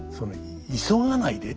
「急がないで」